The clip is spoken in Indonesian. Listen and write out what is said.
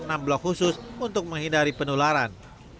enam blok khusus untuk menghindari penularan